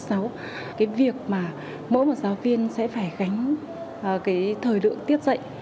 cái việc mà mỗi một giáo viên sẽ phải gánh cái thời lượng tiết dạy